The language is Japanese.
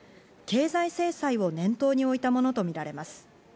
経済制裁を念頭に置いたものとみられます。